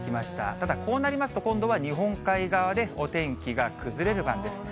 ただこうなりますと、今度は日本海側でお天気が崩れる番です。